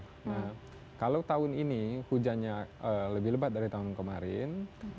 nah kalau tahun ini hujannya lebih lebat dari tahun kemarin